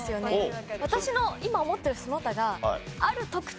私の今思っているその他が。